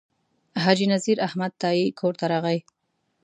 حاجي نذیر احمد تائي کور ته راغی.